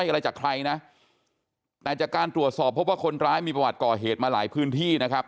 อะไรจากใครนะแต่จากการตรวจสอบพบว่าคนร้ายมีประวัติก่อเหตุมาหลายพื้นที่นะครับ